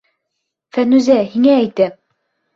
Фәнүзә, һиңә әйтәм!